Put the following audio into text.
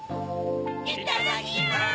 いただきます！